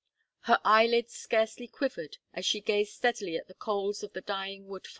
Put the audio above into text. Her eyelids scarcely quivered as she gazed steadily at the coals of the dying wood fire.